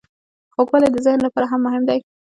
خوږوالی د ذهن لپاره هم مهم دی.